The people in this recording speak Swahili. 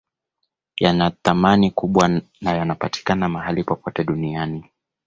Yanathamani kubwa na hayapatikani mahali popote duniani